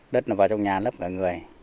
đất nó vào trong nhà lấp cả người